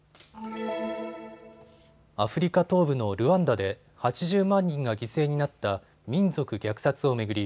アフリカ東部のルワンダで８０万人が犠牲になった民族虐殺を巡り